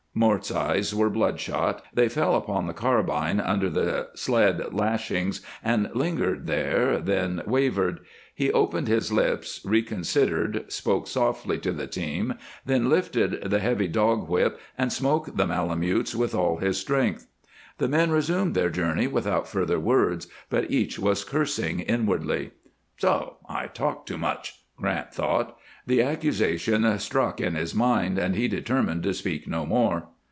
Mort's eyes were bloodshot; they fell upon the carbine under the sled lashings, and lingered there, then wavered. He opened his lips, reconsidered, spoke softly to the team, then lifted the heavy dog whip and smote the malamutes with all his strength. The men resumed their journey without further words, but each was cursing inwardly. "So! I talk too much," Grant thought. The accusation struck in his mind and he determined to speak no more.